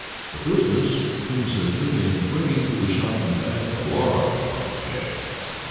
The business consisted in bringing to the Shopton Bank a large amount of cash.